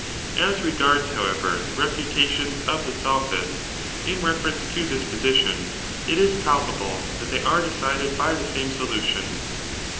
As regards, however, the refutations of t^e « n rtai sophists in reference to this position, it is palpable futations of^e that they are decided by the same solution; for J^S^^the^?